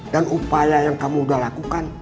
dan upaya yang kamu sudah lakukan